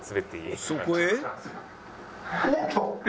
そこへ